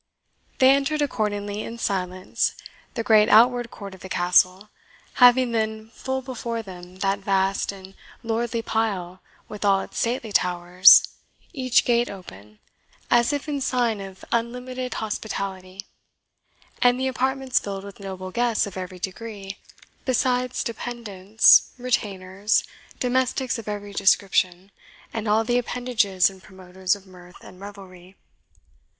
They entered accordingly, in silence, the great outward court of the Castle, having then full before them that vast and lordly pile, with all its stately towers, each gate open, as if in sign of unlimited hospitality, and the apartments filled with noble guests of every degree, besides dependants, retainers, domestics of every description, and all the appendages and promoters of mirth and revelry.